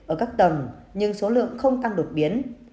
ở các tầng nhưng số lượng không tăng đột biến